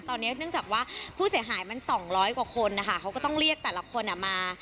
ตอนนี้เนื่องจากว่าผู้เสียหายมัน๒๐๐กว่าคนนะคะเขาก็ต้องเรียกแต่ละคนมา